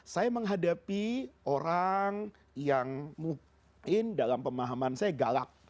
saya menghadapi orang yang mungkin dalam pemahaman saya galak